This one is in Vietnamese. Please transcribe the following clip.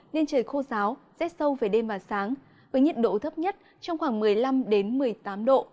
nên trời khô giáo rét sâu về đêm và sáng với nhiệt độ thấp nhất trong khoảng một mươi năm một mươi tám độ